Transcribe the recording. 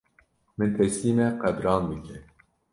Min teslîmê qebran bike